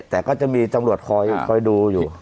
แต่ก็จะมีตำรวจคอยดูอยู่